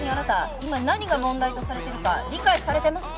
今何が問題とされているか理解されてますか？